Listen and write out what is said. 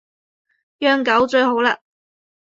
養狗最好喇